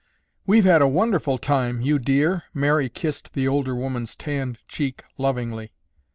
"We've had a wonderful time, you dear." Mary kissed the older woman's tanned cheek lovingly.